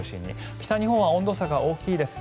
北日本は温度差が大きいです。